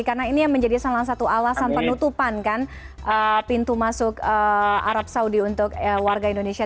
karena ini yang menjadi salah satu alasan penutupan kan pintu masuk arab saudi untuk warga indonesia